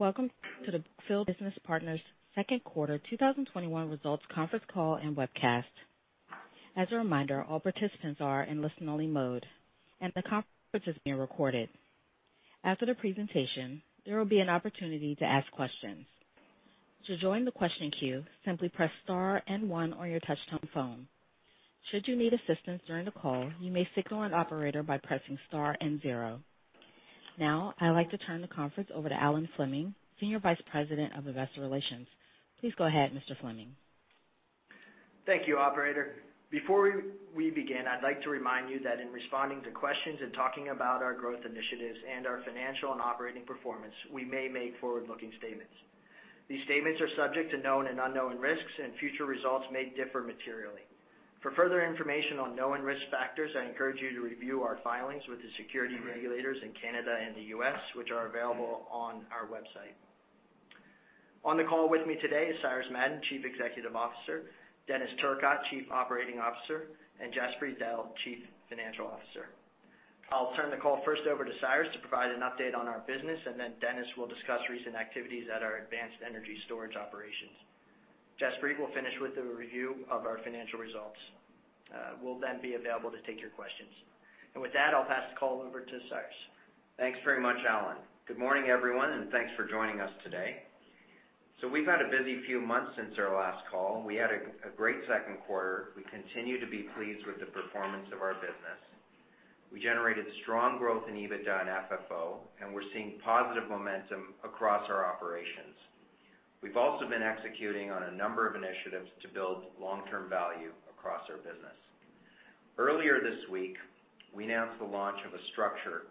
Welcome to the Brookfield Business Partners second quarter 2021 results conference call and webcast. As a reminder, all participants are in listen-only mode, and the conference is being recorded. After the presentation, there will be an opportunity to ask questions. To join the question queue, simply press star and one on your touchtone phone. Should you need assistance during the call, you may signal an operator by pressing star and zero. Now, I'd like to turn the conference over to Alan Fleming, Senior Vice President, Investor Relations. Please go ahead, Mr. Fleming. Thank you, operator. Before we begin, I'd like to remind you that in responding to questions and talking about our growth initiatives and our financial and operating performance, we may make forward-looking statements. These statements are subject to known and unknown risks, and future results may differ materially. For further information on known risk factors, I encourage you to review our filings with the security regulators in Canada and the U.S., which are available on our website. On the call with me today is Cyrus Madon, Chief Executive Officer, Denis Turcotte, Chief Operating Officer, and Jaspreet Dehl, Chief Financial Officer. I'll turn the call first over to Cyrus to provide an update on our business, and then Denis will discuss recent activities at our advanced energy storage operations. Jaspreet will finish with a review of our financial results. We'll be available to take your questions. With that, I'll pass the call over to Cyrus. Thanks very much, Alan. Good morning, everyone, thanks for joining us today. We've had a busy few months since our last call. We had a great second quarter. We continue to be pleased with the performance of our business. We generated strong growth in EBITDA and FFO, we're seeing positive momentum across our operations. We've also been executing on a number of initiatives to build long-term value across our business. Earlier this week, we announced the launch of a structure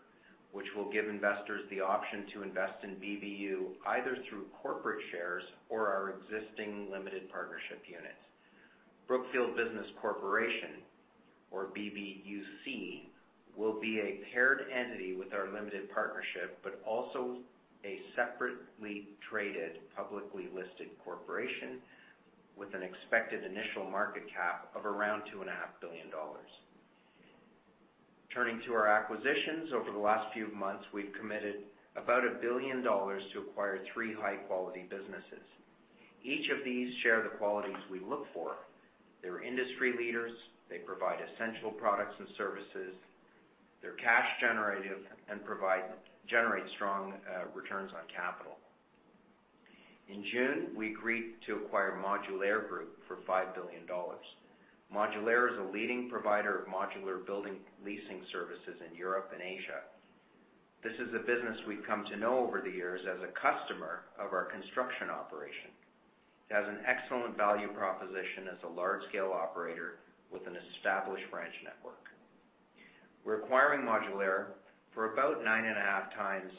which will give investors the option to invest in BBU, either through corporate shares or our existing limited partnership units. Brookfield Business Corporation, or BBUC, will be a paired entity with our limited partnership, also a separately traded, publicly listed corporation with an expected initial market cap of around $2.5 billion. Turning to our acquisitions, over the last few months, we've committed about $1 billion to acquire three high-quality businesses. Each of these share the qualities we look for. They're industry leaders. They provide essential products and services. They're cash generative and generate strong returns on capital. In June, we agreed to acquire Modulaire Group for $5 billion. Modulaire is a leading provider of modular building leasing services in Europe and Asia. This is a business we've come to know over the years as a customer of our construction operation. It has an excellent value proposition as a large-scale operator with an established branch network. We're acquiring Modulaire for about 9.5x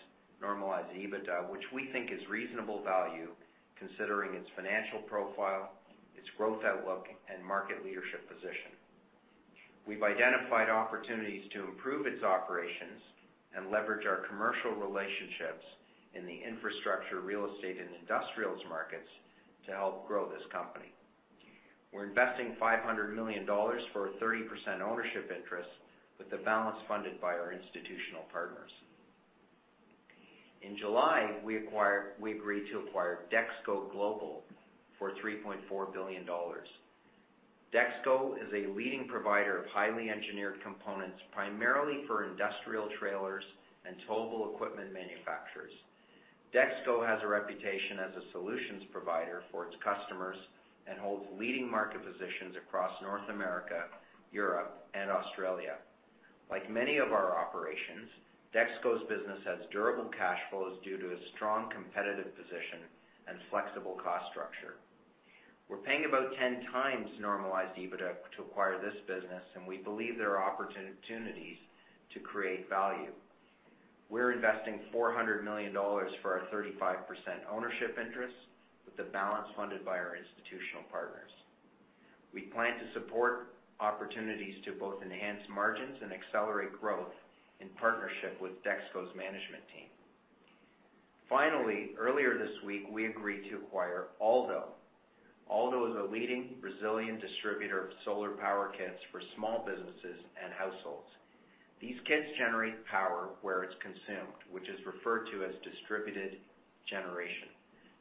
normalized EBITDA, which we think is reasonable value considering its financial profile, its growth outlook, and market leadership position. We've identified opportunities to improve its operations and leverage our commercial relationships in the infrastructure, real estate, and industrials markets to help grow this company. We're investing $500 million for a 30% ownership interest, with the balance funded by our institutional partners. In July, we agreed to acquire DexKo Global for $3.4 billion. DexKo is a leading provider of highly engineered components, primarily for industrial trailers and towable equipment manufacturers. DexKo has a reputation as a solutions provider for its customers and holds leading market positions across North America, Europe, and Australia. Like many of our operations, DexKo's business has durable cash flows due to a strong competitive position and flexible cost structure. We're paying about 10 times normalized EBITDA to acquire this business, and we believe there are opportunities to create value. We're investing $400 million for our 35% ownership interest, with the balance funded by our institutional partners. We plan to support opportunities to both enhance margins and accelerate growth in partnership with DexKo's management team. Finally, earlier this week, we agreed to acquire Aldo. Aldo is a leading Brazilian distributor of solar power kits for small businesses and households. These kits generate power where it's consumed, which is referred to as distributed generation.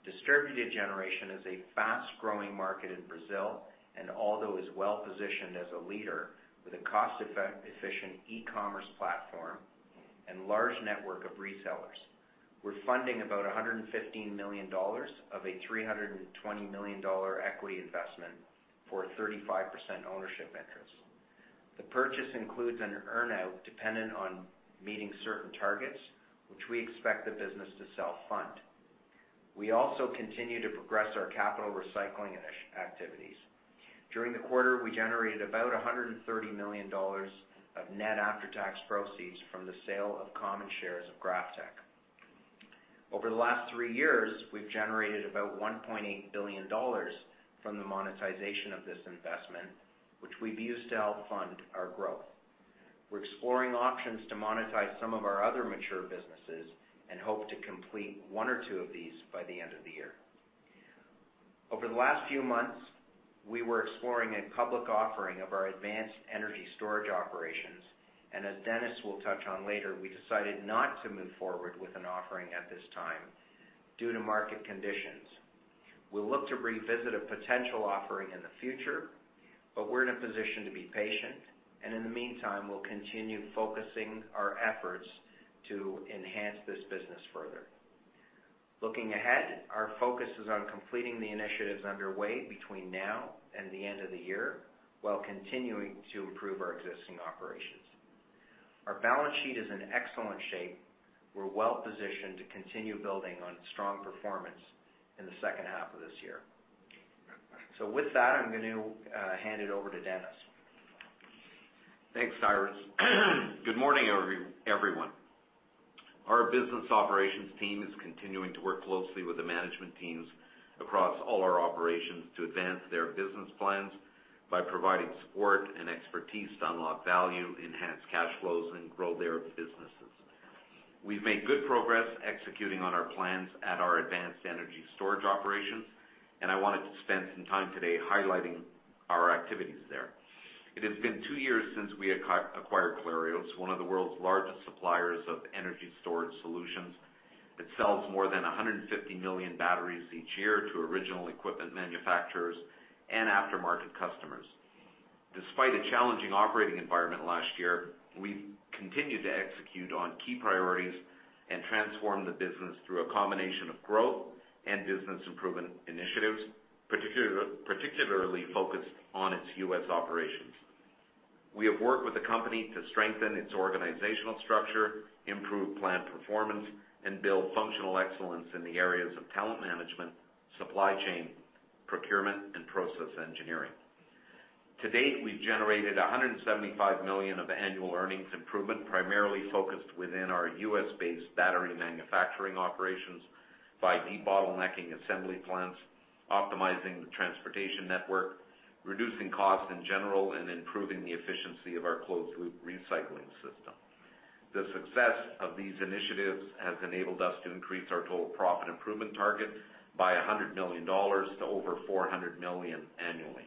Distributed generation is a fast-growing market in Brazil, and Aldo is well-positioned as a leader with a cost-efficient e-commerce platform and large network of resellers. We're funding about $115 million of a $320 million equity investment for a 35% ownership interest. The purchase includes an earn-out dependent on meeting certain targets, which we expect the business to self-fund. We also continue to progress our capital recycling activities. During the quarter, we generated about $130 million of net after-tax proceeds from the sale of common shares of GrafTech. Over the last three years, we've generated about $1.8 billion from the monetization of this investment, which we've used to help fund our growth. We're exploring options to monetize some of our other mature businesses and hope to complete one or two of these by the end of the year. Over the last few months, we were exploring a public offering of our advanced energy storage operations. As Denis will touch on later, we decided not to move forward with an offering at this time due to market conditions. We'll look to revisit a potential offering in the future. We're in a position to be patient. In the meantime, we'll continue focusing our efforts to enhance this business further. Looking ahead, our focus is on completing the initiatives underway between now and the end of the year while continuing to improve our existing operations. Our balance sheet is in excellent shape. We're well-positioned to continue building on strong performance in the second half of this year. With that, I'm going to hand it over to Denis. Thanks, Cyrus. Good morning, everyone. Our business operations team is continuing to work closely with the management teams across all our operations to advance their business plans by providing support and expertise to unlock value, enhance cash flows, and grow their businesses. We've made good progress executing on our plans at our advanced energy storage operations, and I wanted to spend some time today highlighting our activities there. It has been two years since we acquired Clarios, one of the world's largest suppliers of energy storage solutions. It sells more than 150 million batteries each year to original equipment manufacturers and aftermarket customers. Despite a challenging operating environment last year, we've continued to execute on key priorities and transform the business through a combination of growth and business improvement initiatives, particularly focused on its U.S. operations. We have worked with the company to strengthen its organizational structure, improve plant performance, and build functional excellence in the areas of talent management, supply chain, procurement, and process engineering. To date, we've generated $175 million of annual earnings improvement, primarily focused within our U.S.-based battery manufacturing operations by debottlenecking assembly plants, optimizing the transportation network, reducing costs in general, and improving the efficiency of our closed-loop recycling system. The success of these initiatives has enabled us to increase our total profit improvement target by $100 million to over $400 million annually.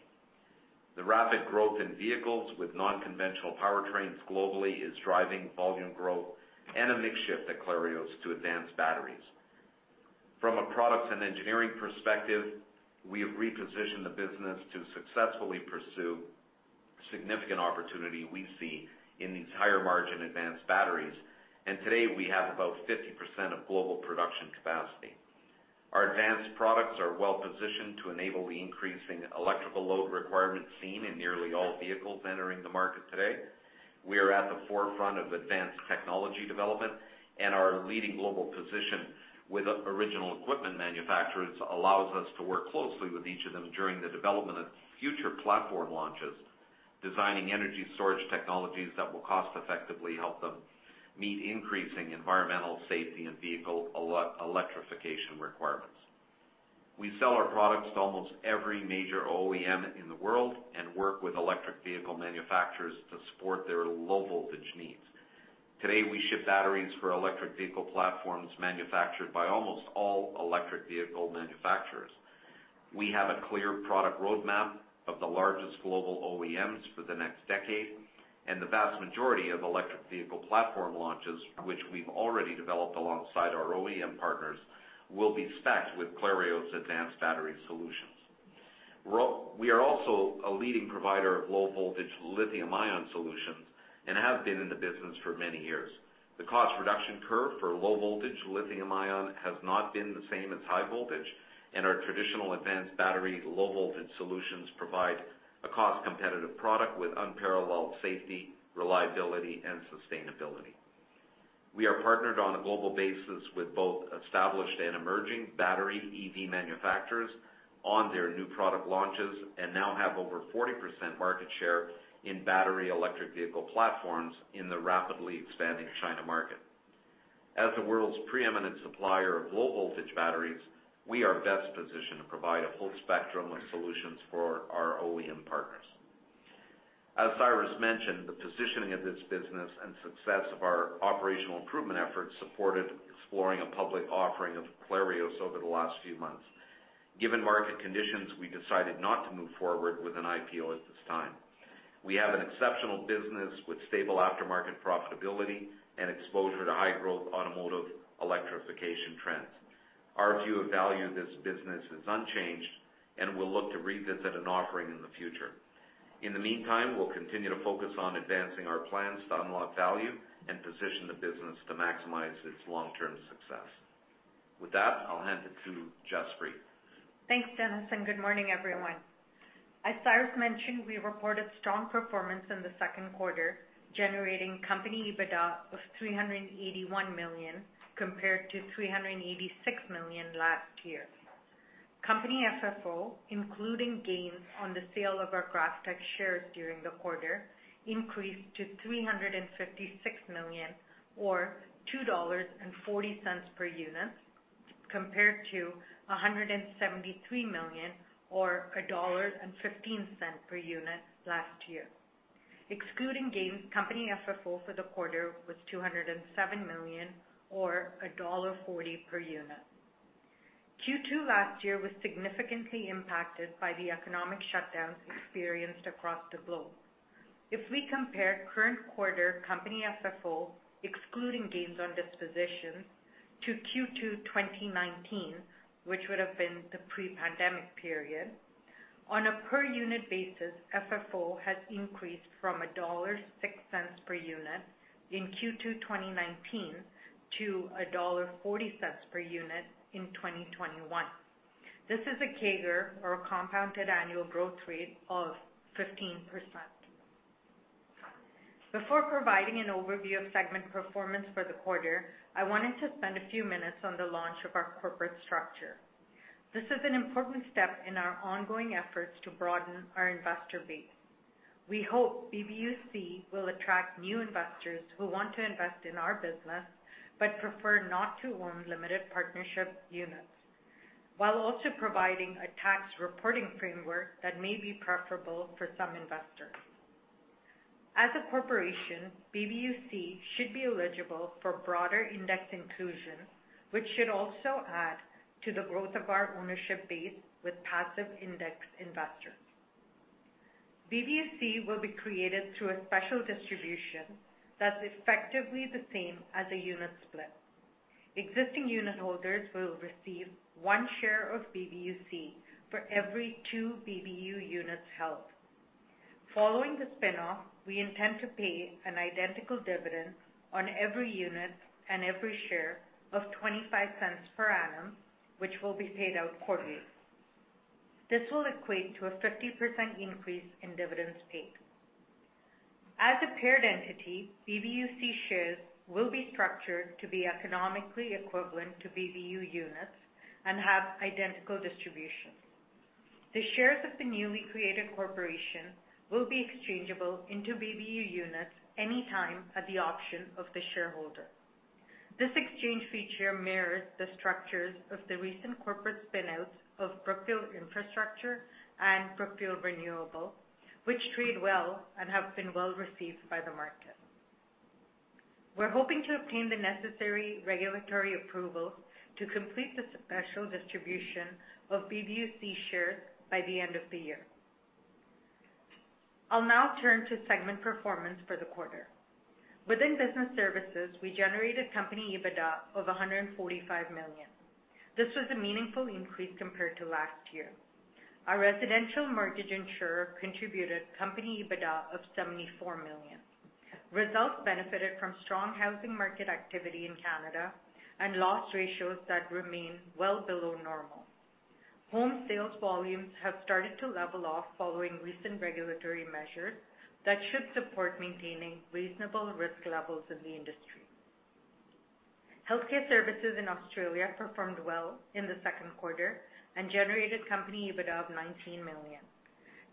The rapid growth in vehicles with non-conventional powertrains globally is driving volume growth and a mix shift at Clarios to advanced batteries. From a products and engineering perspective, we have repositioned the business to successfully pursue significant opportunity we see in these higher-margin advanced batteries. Today, we have about 50% of global production capacity. Our advanced products are well-positioned to enable the increasing electrical load requirements seen in nearly all vehicles entering the market today. We are at the forefront of advanced technology development, and our leading global position with original equipment manufacturers allows us to work closely with each of them during the development of future platform launches, designing energy storage technologies that will cost-effectively help them meet increasing environmental safety and vehicle electrification requirements. We sell our products to almost every major OEM in the world and work with electric vehicle manufacturers to support their low-voltage needs. Today, we ship batteries for electric vehicle platforms manufactured by almost all electric vehicle manufacturers. We have a clear product roadmap of the largest global OEMs for the next decade, and the vast majority of electric vehicle platform launches, which we've already developed alongside our OEM partners, will be specced with Clarios advanced battery solutions. We are also a leading provider of low-voltage lithium-ion solutions and have been in the business for many years. The cost reduction curve for low-voltage lithium-ion has not been the same as high voltage, and our traditional advanced battery low-voltage solutions provide a cost-competitive product with unparalleled safety, reliability, and sustainability. We are partnered on a global basis with both established and emerging battery EV manufacturers on their new product launches and now have over 40% market share in battery electric vehicle platforms in the rapidly expanding China market. As the world's preeminent supplier of low-voltage batteries, we are best positioned to provide a whole spectrum of solutions for our OEM partners. As Cyrus mentioned, the positioning of this business and success of our operational improvement efforts supported exploring a public offering of Clarios over the last few months. Given market conditions, we decided not to move forward with an IPO at this time. We have an exceptional business with stable aftermarket profitability and exposure to high-growth automotive electrification trends. Our view of value of this business is unchanged, and we'll look to revisit an offering in the future. In the meantime, we'll continue to focus on advancing our plans to unlock value and position the business to maximize its long-term success. With that, I'll hand it to Jaspreet. Thanks, Denis, good morning, everyone. As Cyrus mentioned, we reported strong performance in the second quarter, generating company EBITDA of $381 million compared to $386 million last year. Company FFO, including gains on the sale of our GrafTech shares during the quarter, increased to $356 million, or $2.40 per unit, compared to $173 million or $1.15 per unit last year. Excluding gains, company FFO for the quarter was $207 million or $1.40 per unit. Q2 last year was significantly impacted by the economic shutdowns experienced across the globe. If we compare current quarter company FFO, excluding gains on dispositions, to Q2 2019, which would've been the pre-pandemic period, on a per unit basis, FFO has increased from $1.06 per unit in Q2 2019 to $1.40 per unit in 2021. This is a CAGR, or compounded annual growth rate, of 15%. Before providing an overview of segment performance for the quarter, I wanted to spend a few minutes on the launch of our corporate structure. This is an important step in our ongoing efforts to broaden our investor base. We hope BBUC will attract new investors who want to invest in our business, but prefer not to own limited partnership units, while also providing a tax reporting framework that may be preferable for some investors. As a corporation, BBUC should be eligible for broader index inclusion, which should also add to the growth of our ownership base with passive index investors. BBUC will be created through a special distribution that's effectively the same as a unit split. Existing unitholders will receive 1 share of BBUC for every 2 BBU units held. Following the spinoff, we intend to pay an identical dividend on every unit and every share of $0.25 per annum, which will be paid out quarterly. This will equate to a 50% increase in dividends paid. As a paired entity, BBUC shares will be structured to be economically equivalent to BBU units and have identical distribution. The shares of the newly created corporation will be exchangeable into BBU units anytime at the option of the shareholder. This exchange feature mirrors the structures of the recent corporate spin-outs of Brookfield Infrastructure and Brookfield Renewable, which trade well and have been well-received by the market. We're hoping to obtain the necessary regulatory approvals to complete the special distribution of BBUC shares by the end of the year. I'll now turn to segment performance for the quarter. Within business services, we generated company EBITDA of $145 million. This was a meaningful increase compared to last year. Our residential mortgage insurer contributed company EBITDA of $74 million. Results benefited from strong housing market activity in Canada and loss ratios that remain well below normal. Home sales volumes have started to level off following recent regulatory measures that should support maintaining reasonable risk levels in the industry. Healthcare services in Australia performed well in the second quarter and generated company EBITDA of $19 million.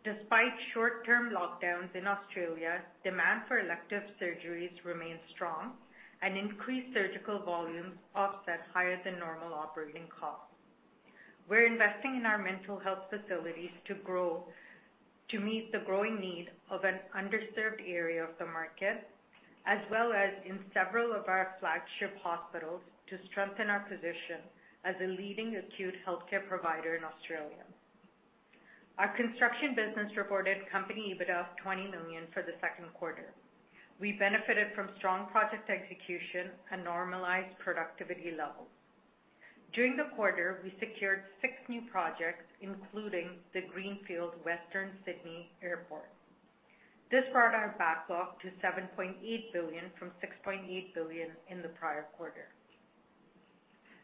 Despite short-term lockdowns in Australia, demand for elective surgeries remained strong and increased surgical volumes offset higher than normal operating costs. We're investing in our mental health facilities to meet the growing need of an underserved area of the market, as well as in several of our flagship hospitals to strengthen our position as a leading acute healthcare provider in Australia. Our construction business reported company EBITDA of $20 million for the second quarter. We benefited from strong project execution and normalized productivity levels. During the quarter, we secured six new projects, including the greenfield Western Sydney Airport. This brought our backlog to $7.8 billion from $6.8 billion in the prior quarter.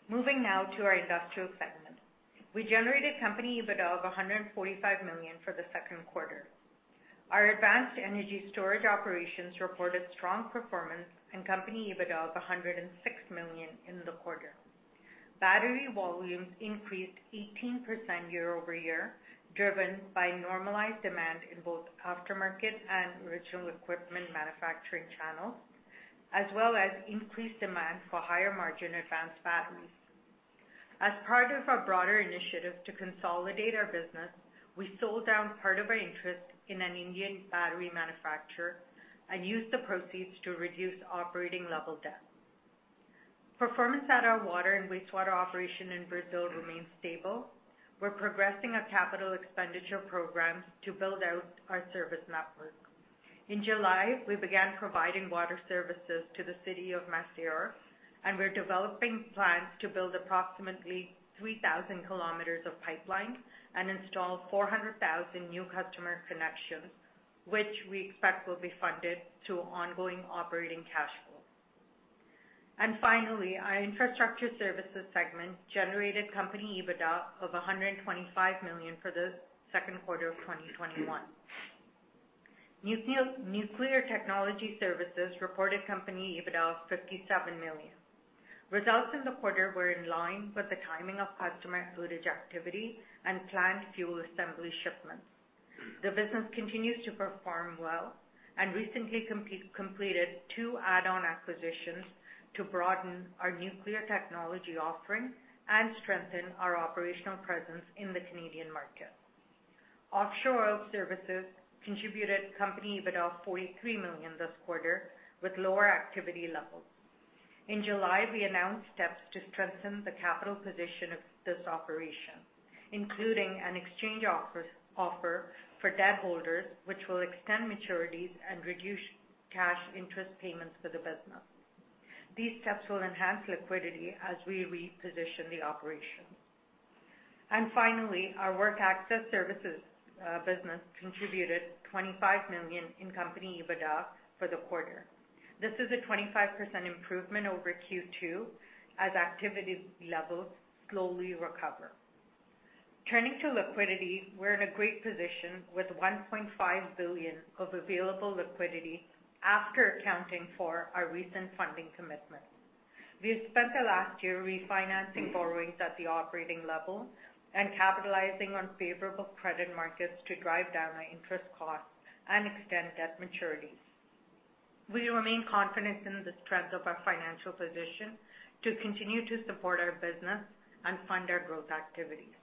Moving now to our industrial segment. We generated company EBITDA of $145 million for the second quarter. Our advanced energy storage operations reported strong performance and company EBITDA of $106 million in the quarter. Battery volumes increased 18% year-over-year, driven by normalized demand in both aftermarket and original equipment manufacturing channels, as well as increased demand for higher margin advanced batteries. As part of our broader initiative to consolidate our business, we sold down part of our interest in an Indian battery manufacturer and used the proceeds to reduce operating level debt. Performance at our water and wastewater operation in Brazil remains stable. We're progressing a capital expenditure program to build out our service network. In July, we began providing water services to the City of Maceió, and we're developing plans to build approximately 3,000 kilometers of pipeline and install 400,000 new customer connections, which we expect will be funded through ongoing operating cash flow. Finally, our infrastructure services segment generated company EBITDA of $125 million for the second quarter of 2021. Nuclear technology services reported company EBITDA of $57 million. Results in the quarter were in line with the timing of customer outage activity and planned fuel assembly shipments. The business continues to perform well and recently completed two add-on acquisitions to broaden our nuclear technology offering and strengthen our operational presence in the Canadian market. Offshore oil services contributed company EBITDA of $43 million this quarter with lower activity levels. In July, we announced steps to strengthen the capital position of this operation, including an exchange offer for debt holders, which will extend maturities and reduce cash interest payments for the business. These steps will enhance liquidity as we reposition the operation. Finally, our work access services business contributed $25 million in company EBITDA for the quarter. This is a 25% improvement over Q2 as activity levels slowly recover. Turning to liquidity, we're in a great position with $1.5 billion of available liquidity after accounting for our recent funding commitment. We have spent the last year refinancing borrowings at the operating level and capitalizing on favorable credit markets to drive down our interest costs and extend debt maturities. We remain confident in the strength of our financial position to continue to support our business and fund our growth activities.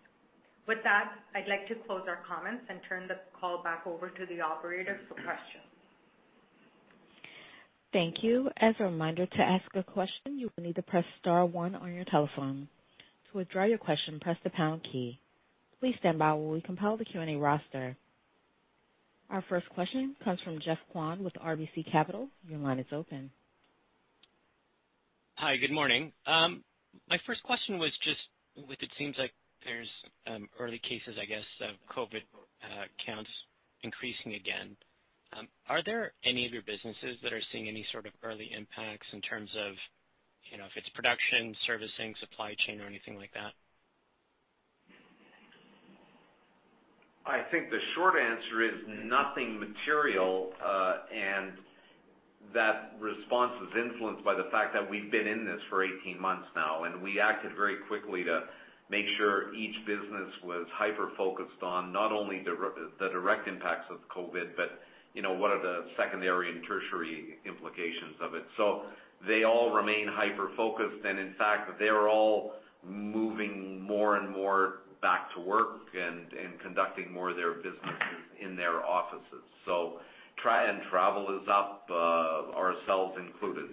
With that, I'd like to close our comments and turn the call back over to the operator for questions. Thank you. As a reminder, to ask a question, you will need to press star one on your telephone. To withdraw your question, press the pound key. Please stand by while we compile the Q&A roster. Our first question comes from Geoffrey Kwan with RBC Capital. Your line is open. Hi, good morning. My first question was just with it seems like there's early cases, I guess, of COVID counts increasing again. Are there any of your businesses that are seeing any sort of early impacts in terms of, if it's production, servicing, supply chain or anything like that? I think the short answer is nothing material, and that response is influenced by the fact that we've been in this for 18 months now, and we acted very quickly to make sure each business was hyper-focused on not only the direct impacts of COVID, but what are the secondary and tertiary implications of it. They all remain hyper-focused, and in fact, they are all moving more and more back to work and conducting more of their businesses in their offices. Try and travel is up, ourselves included.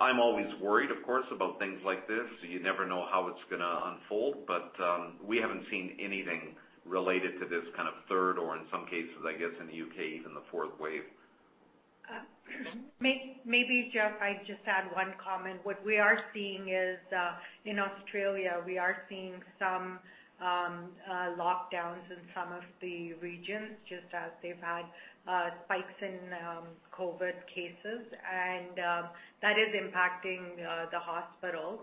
I'm always worried of course, about things like this. You never know how it's gonna unfold. We haven't seen anything related to this kind of third or in some cases, I guess in the U.K., even the fourth wave. Maybe Geoff, I just add one comment. What we are seeing is, in Australia, we are seeing some lockdowns in some of the regions, just as they've had spikes in COVID cases. That is impacting the hospitals,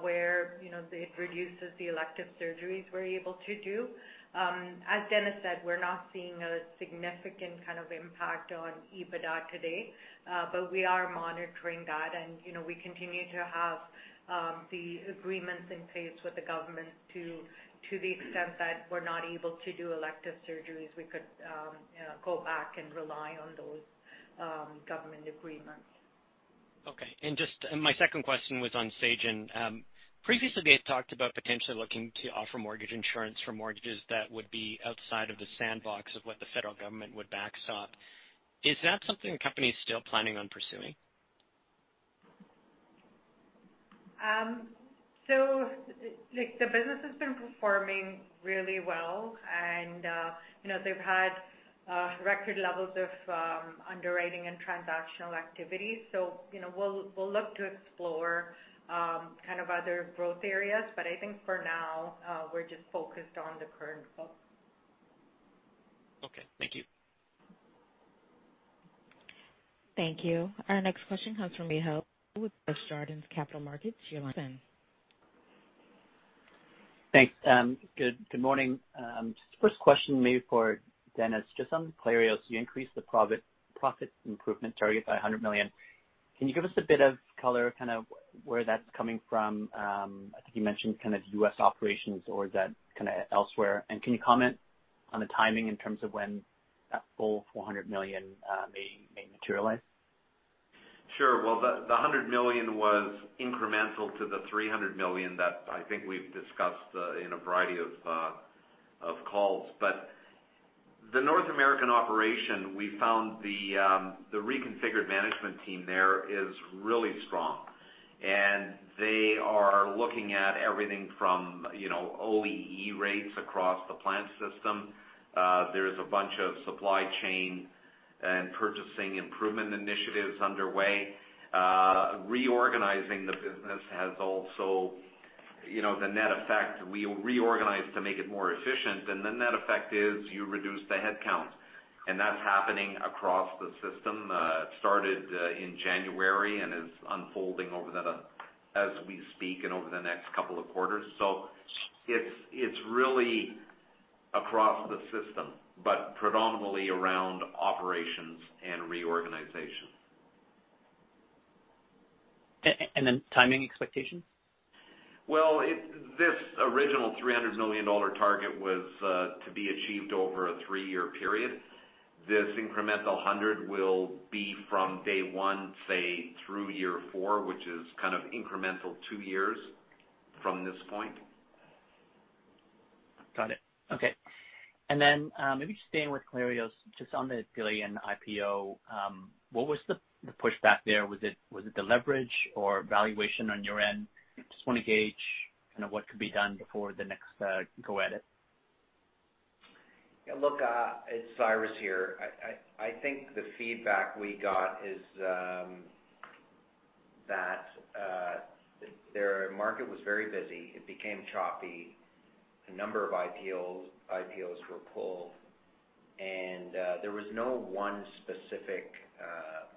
where it reduces the elective surgeries we're able to do. As Denis said, we're not seeing a significant kind of impact on EBITDA today. We are monitoring that and we continue to have the agreements in place with the government to the extent that we're not able to do elective surgeries, we could go back and rely on those government agreements. Okay. My second question was on Sagen. Previously you talked about potentially looking to offer mortgage insurance for mortgages that would be outside of the sandbox of what the federal government would backstop. Is that something the company's still planning on pursuing? The business has been performing really well and they've had record levels of underwriting and transactional activity. We'll look to explore kind of other growth areas. I think for now, we're just focused on the current book. Okay. Thank you. Thank you. Our next question comes from Gary Ho with Desjardins Capital Markets. Your line is open. Thanks. Good morning. Just the first question maybe for Denis, just on Clarios, you increased the profit improvement target by $100 million. Can you give us a bit of color, kind of where that's coming from? I think you mentioned kind of U.S. operations or is that kind of elsewhere? Can you comment on the timing in terms of when that full $100 million may materialize? Sure. The $100 million was incremental to the $300 million that I think we've discussed in a variety of calls. The North American operation, we found the reconfigured management team there is really strong, and they are looking at everything from OEE rates across the plant system. There is a bunch of supply chain and purchasing improvement initiatives underway. Reorganizing the business has also, the net effect, we reorganized to make it more efficient, and the net effect is you reduce the headcount. That's happening across the system. It started in January and is unfolding as we speak and over the next couple of quarters. It's really across the system, but predominantly around operations and reorganization. Timing expectation? Well, this original $300 million target was to be achieved over a three-year period. This incremental 100 will be from day one, say, through year four, which is kind of incremental two years from this point. Got it. Okay. Maybe just staying with Clarios, just on the $1 billion IPO, what was the pushback there? Was it the leverage or valuation on your end? Just want to gauge kind of what could be done before the next go at it. Yeah. Look, it's Cyrus here. I think the feedback we got is that their market was very busy. It became choppy. A number of IPOs were pulled, and there was no one specific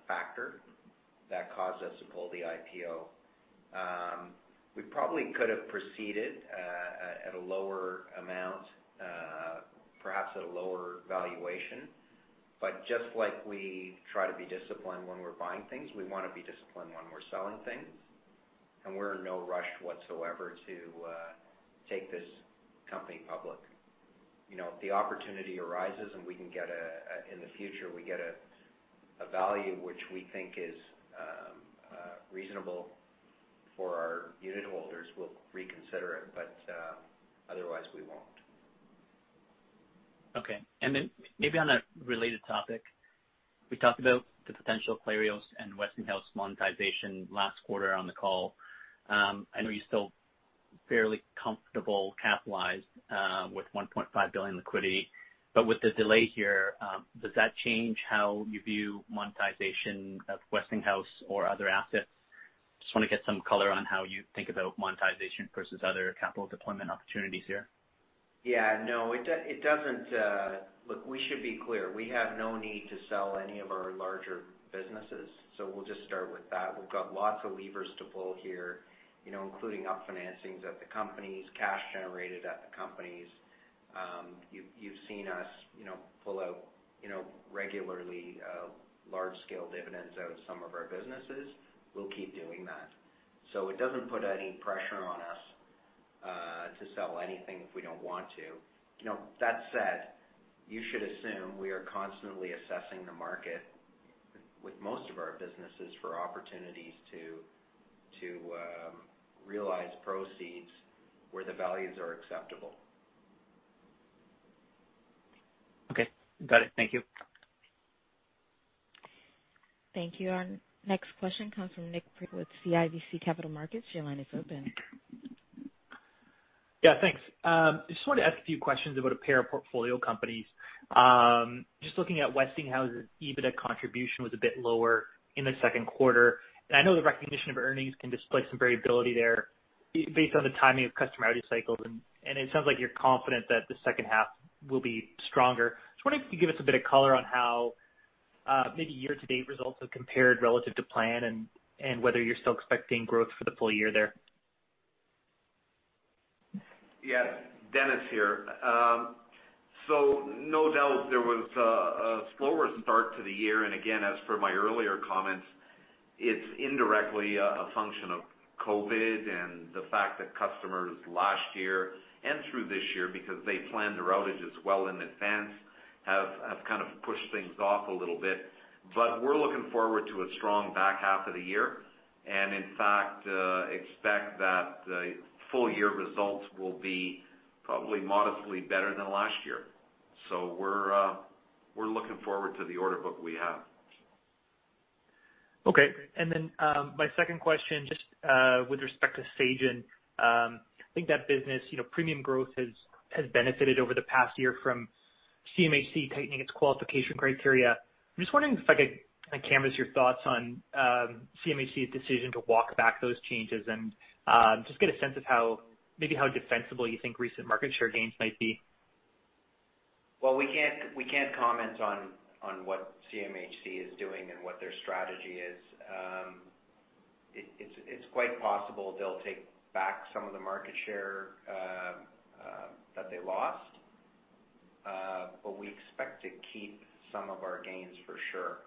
factor that caused us to pull the IPO. We probably could have proceeded at a lower amount, perhaps at a lower valuation. Just like we try to be disciplined when we're buying things, we want to be disciplined when we're selling things. We're in no rush whatsoever to take this company public. If the opportunity arises and in the future, we get a value which we think is reasonable for our unit holders, we'll reconsider it, but otherwise we won't. Okay. Maybe on a related topic, we talked about the potential Clarios and Westinghouse monetization last quarter on the call. I know you're still fairly comfortable capitalized with $1.5 billion liquidity, with the delay here, does that change how you view monetization of Westinghouse or other assets? Just want to get some color on how you think about monetization versus other capital deployment opportunities here. Yeah, no. Look, we should be clear. We have no need to sell any of our larger businesses. We'll just start with that. We've got lots of levers to pull here, including up financings at the companies, cash generated at the companies. You've seen us pull out regularly large scale dividends out of some of our businesses. We'll keep doing that. It doesn't put any pressure on us to sell anything if we don't want to. That said, you should assume we are constantly assessing the market with most of our businesses for opportunities to realize proceeds where the values are acceptable. Okay. Got it. Thank you. Thank you. Our next question comes from Nik Priebe with CIBC Capital Markets. Your line is open. Yeah, thanks. Just wanted to ask a few questions about a pair of portfolio companies. Just looking at Westinghouse's EBITDA contribution was a bit lower in the second quarter. I know the recognition of earnings can display some variability there based on the timing of customer outage cycles, and it sounds like you're confident that the second half will be stronger. Just wondering if you could give us a bit of color on how maybe year-to-date results have compared relative to plan and whether you're still expecting growth for the full year there. Yes. Denis here. No doubt, there was a slower start to the year, and again, as per my earlier comments, it's indirectly a function of COVID and the fact that customers last year and through this year, because they planned their outages well in advance, have kind of pushed things off a little bit. We're looking forward to a strong back half of the year and in fact, expect that the full year results will be probably modestly better than last year. We're looking forward to the order book we have. Okay. My second question, just with respect to Sagen. I think that business premium growth has benefited over the past year from CMHC tightening its qualification criteria. I'm just wondering if I could kind of canvas your thoughts on CMHC's decision to walk back those changes and just get a sense of maybe how defensible you think recent market share gains might be. Well, we can't comment on what CMHC is doing and what their strategy is. It's quite possible they'll take back some of the market share that they lost. We expect to keep some of our gains for sure,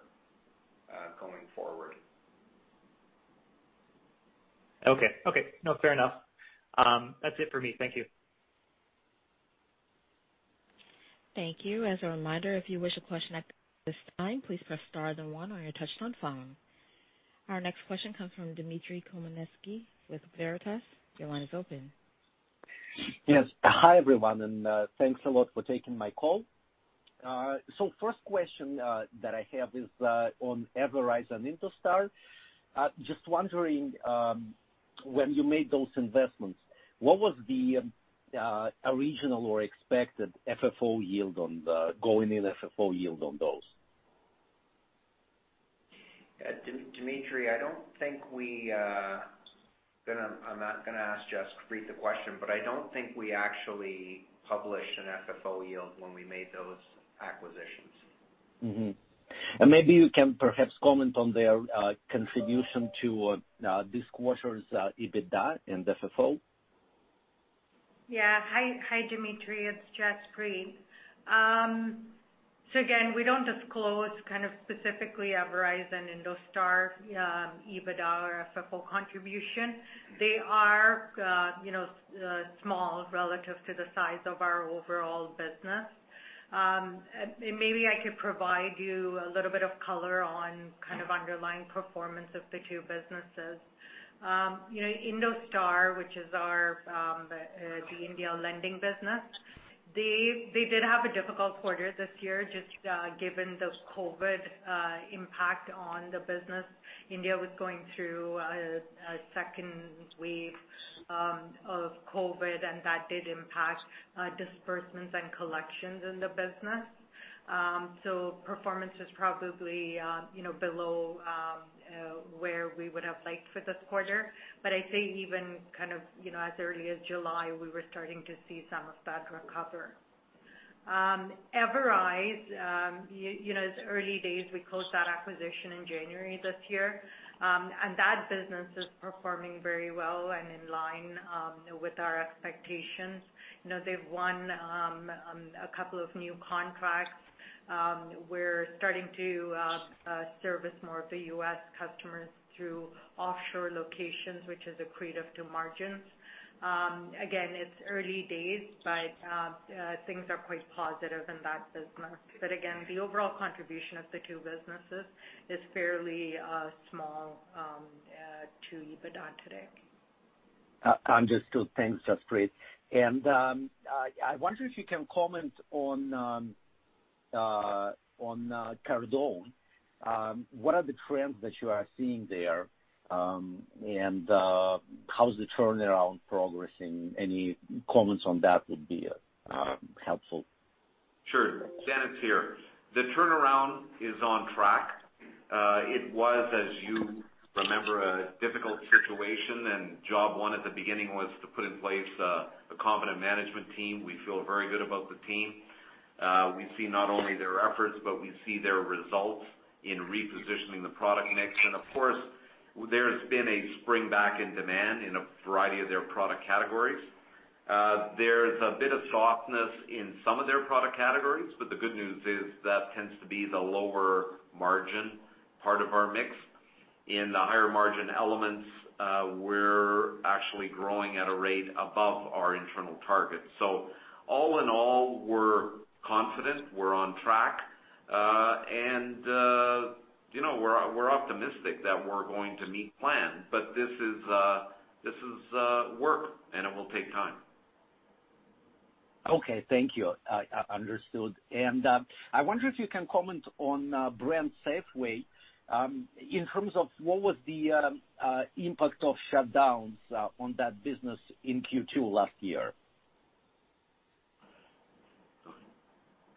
going forward. Okay. No, fair enough. That's it for me. Thank you. Thank you. As a reminder, if you wish a question at this time, please press star then one on your Touch-Tone phone. Our next question comes from Dimitry Khmelnitsky with Veritas. Your line is open. Yes. Hi, everyone, and thanks a lot for taking my call. First question that I have is on Everise and IndoStar. Just wondering, when you made those investments, what was the original or expected FFO yield on the going in FFO yield on those? Dimitry, I'm not going to ask Jaspreet the question, but I don't think we actually published an FFO yield when we made those acquisitions. Mm-hmm. Maybe you can perhaps comment on their contribution to this quarter's EBITDA and FFO. Yeah. Hi, Dimitry. It's Jaspreet. Again, we don't disclose kind of specifically Everise and IndoStar EBITDA or FFO contribution. They are small relative to the size of our overall business. Maybe I could provide you a little bit of color on kind of underlying performance of the two businesses. IndoStar, which is the India lending business, they did have a difficult quarter this year just given the COVID impact on the business. India was going through a second wave of COVID, and that did impact disbursements and collections in the business. Performance is probably below where we would have liked for this quarter. I'd say even kind of as early as July, we were starting to see some of that recover. Everise, it's early days. We closed that acquisition in January this year. That business is performing very well and in line with our expectations. They've won a couple of new contracts. We're starting to service more of the U.S. customers through offshore locations, which is accretive to margins. Again, it's early days, but things are quite positive in that business. Again, the overall contribution of the two businesses is fairly small to EBITDA today. Understood. Thanks, Jaspreet. I wonder if you can comment on Cardone. What are the trends that you are seeing there? How's the turnaround progressing? Any comments on that would be helpful. Sure. Denis here. The turnaround is on track. It was, as you remember, a difficult situation, and job one at the beginning was to put in place a competent management team. We feel very good about the team. We see not only their efforts, but we see their results in repositioning the product mix. Of course, there's been a spring back in demand in a variety of their product categories. There's a bit of softness in some of their product categories, but the good news is that tends to be the lower margin part of our mix. In the higher margin elements, we're actually growing at a rate above our internal targets. All in all, we're confident, we're on track, and we're optimistic that we're going to meet plan. This is work, and it will take time. Okay. Thank you. Understood. I wonder if you can comment on BrandSafway in terms of what was the impact of shutdowns on that business in Q2 last year?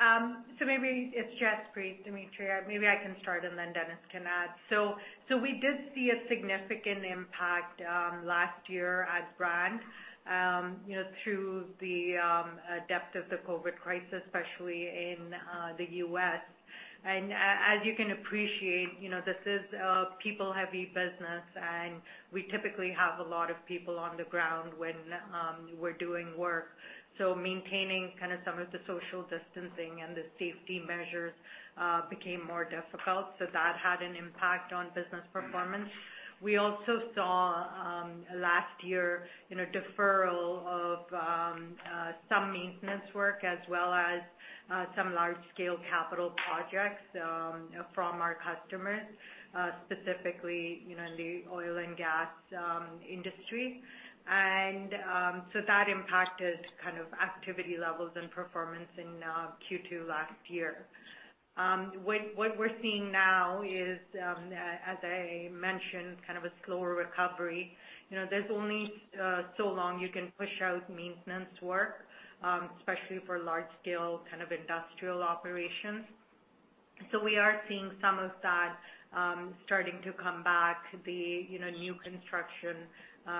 It's Jaspreet, Dimitry. Maybe I can start. Denis can add. We did see a significant impact last year at BrandSafway through the depth of the COVID crisis, especially in the U.S. As you can appreciate, this is a people-heavy business, and we typically have a lot of people on the ground when we're doing work. Maintaining kind of some of the social distancing and the safety measures became more difficult. That had an impact on business performance. We also saw last year a deferral of some maintenance work as well as some large-scale capital projects from our customers, specifically in the oil and gas industry. That impacted kind of activity levels and performance in Q2 last year. What we're seeing now is, as I mentioned, kind of a slower recovery. There's only so long you can push out maintenance work, especially for large-scale kind of industrial operations. We are seeing some of that starting to come back. The new construction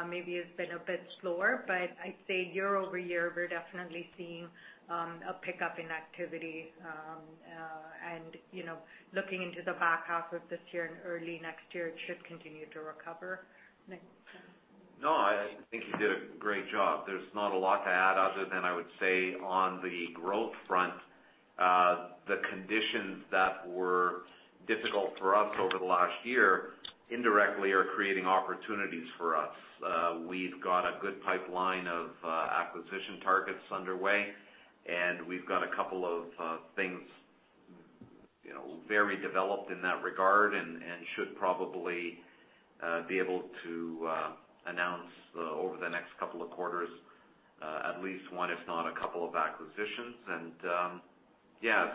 maybe has been a bit slower, but I'd say year-over-year, we're definitely seeing a pickup in activity. Looking into the back half of this year and early next year, it should continue to recover. Denis? No, I think you did a great job. There's not a lot to add other than I would say on the growth front, the conditions that were difficult for us over the last year indirectly are creating opportunities for us. We've got a good pipeline of acquisition targets underway. We've got a couple of things very developed in that regard and should probably be able to announce over the next couple of quarters at least one, if not a couple of acquisitions. Yeah.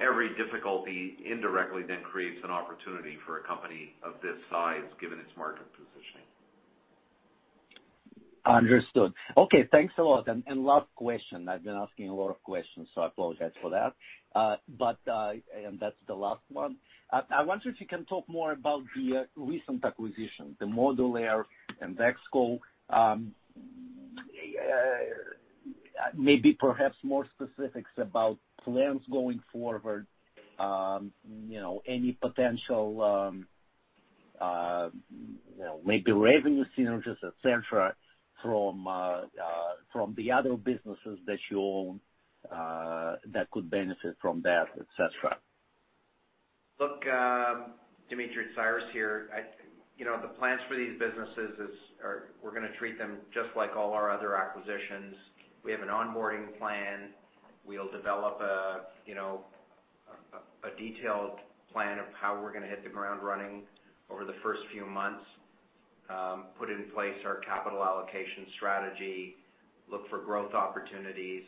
Every difficulty indirectly then creates an opportunity for a company of this size given its market positioning. Understood. Okay, thanks a lot. Last question. I've been asking a lot of questions, so I apologize for that. That's the last one. I wonder if you can talk more about the recent acquisition, the Modulaire and DexKo. Maybe perhaps more specifics about plans going forward, any potential maybe revenue synergies, et cetera, from the other businesses that you own that could benefit from that, et cetera. Look, Dimitry, it's Cyrus here. The plans for these businesses is we're going to treat them just like all our other acquisitions. We have an onboarding plan. We'll develop a detailed plan of how we're going to hit the ground running over the first few months, put in place our capital allocation strategy, look for growth opportunities,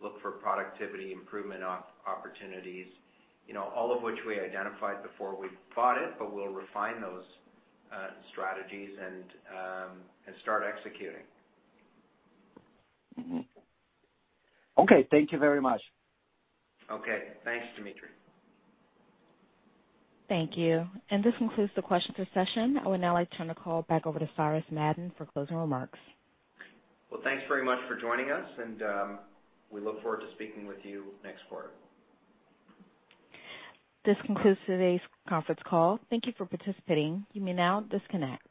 look for productivity improvement opportunities. All of which we identified before we bought it, but we'll refine those strategies and start executing. Okay. Thank you very much. Okay. Thanks, Dimitry. Thank you. This concludes the question session. I would now like to turn the call back over to Cyrus Madon for closing remarks. Well, thanks very much for joining us, and we look forward to speaking with you next quarter. This concludes today's conference call. Thank you for participating. You may now disconnect.